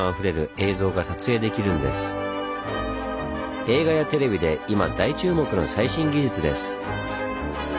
映画やテレビで今大注目の最新技術です。